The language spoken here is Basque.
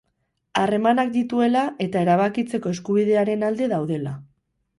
Harremanak dituela eta erabakitzeko eskubidearen alde daudela.